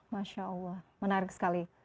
masya allah menarik sekali